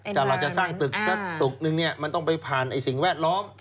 ถ้าเราจะสร้างตึกสักตึกนึงเนี่ยมันต้องไปผ่านสิ่งแวดล้อม